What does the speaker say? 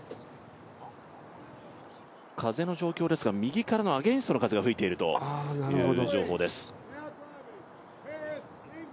風の状況ですが、右からのアゲンストの風が吹いているという情報です。